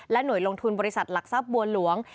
หน่วยลงทุนบริษัทหลักทรัพย์บัวหลวง